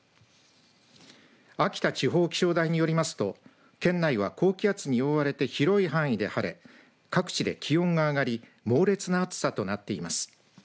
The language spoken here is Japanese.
秋田地方気象台によりますと県内は高気圧に覆われて広い範囲で晴れ各地で気温が上がり猛烈な暑さとなっています。